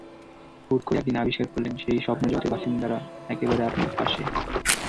হুট করে একদিন আবিষ্কার করলেন, সেই স্বপ্নজগতের বাসিন্দারা একেবারে আপনার পাশে।